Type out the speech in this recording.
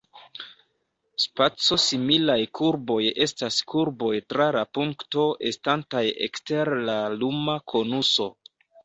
Spaco-similaj kurboj estas kurboj tra la punkto estantaj ekster la luma konuso.